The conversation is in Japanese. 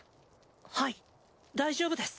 ハイ大丈夫です。